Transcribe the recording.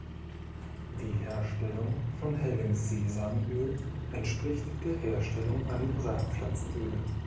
Die Herstellung von hellem Sesamöl entspricht der Herstellung anderer Pflanzenöle.